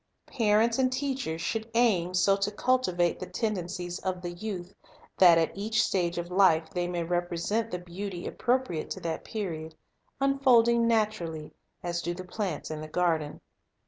• Parents and teachers should aim so to cultivate the tendencies of the youth that at each stage of life they may represent the beauty appropriate to that period, unfolding naturally, as do the plants in the garden.